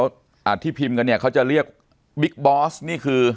อ่าที่พิมพ์กันเนี่ยเขาจะเรียกบิ๊กบอสนี่คือ